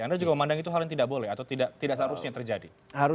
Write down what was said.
anda juga memandang itu hal yang tidak boleh atau tidak seharusnya terjadi